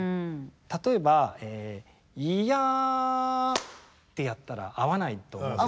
例えば「イヤ」ってやったら合わないと思います。